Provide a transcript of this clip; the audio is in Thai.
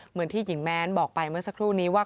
เหมือนที่หญิงแม้นบอกไปเมื่อสักครู่นี้ว่า